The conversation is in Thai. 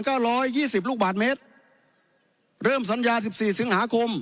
ร้อยยี่สิบลูกบาทเมตรเริ่มสัญญาสิบสี่สิงหาคม